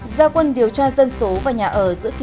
giao quân điều tra dân số và nhà ở giữa kỳ hai nghìn hai mươi bốn